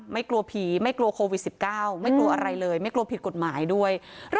กลัวผีไม่กลัวโควิด๑๙ไม่กลัวอะไรเลยไม่กลัวผิดกฎหมายด้วย